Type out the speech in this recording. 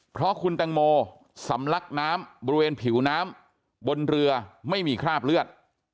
เพราะคุณแตงโมสำลักน้ำบริเวณผิวน้ำบนเรือไม่มีคราบเลือด